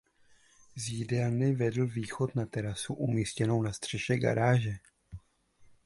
Z jídelny vedl východ na terasu umístěnou na střeše garáže.